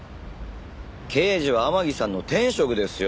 刑事は天樹さんの天職ですよ